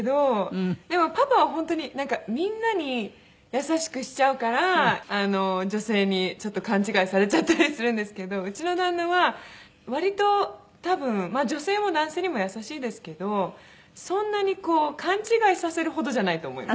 でもパパは本当になんかみんなに優しくしちゃうから女性にちょっと勘違いされちゃったりするんですけどうちの旦那は割と多分まあ女性も男性にも優しいですけどそんなに勘違いさせるほどじゃないと思います。